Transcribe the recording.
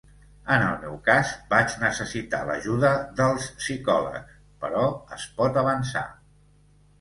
En el meu cas, vaig necessitar l’ajuda dels psicòlegs, però es pot avançar.